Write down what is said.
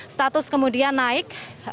status kemudian naik